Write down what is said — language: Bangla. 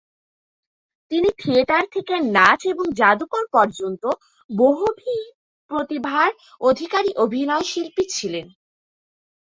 তিনি থিয়েটার থেকে নাচ এবং যাদুকর পর্যন্ত বহুবিধ প্রতিভার অধিকারী অভিনয়শিল্পী ছিলেন।